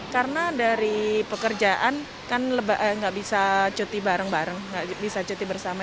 karena dari pekerjaan kan nggak bisa cuti bareng bareng nggak bisa cuti bersama